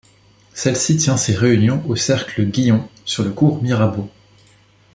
Celle-ci tient ses réunions au cercle Guion, sur le cours Mirabeau.